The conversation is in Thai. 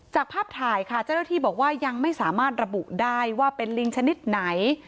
ภาพถ่ายค่ะเจ้าหน้าที่บอกว่ายังไม่สามารถระบุได้ว่าเป็นลิงชนิดไหน